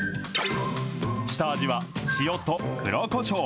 下味は塩と黒こしょう。